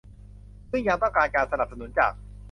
ซึ่งยังต้องการการสนับสนุนจาก